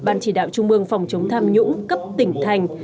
ban chỉ đạo trung mương phòng chống tham nhũng cấp tỉnh thành